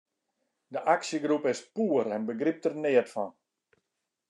De aksjegroep is poer en begrypt der neat fan.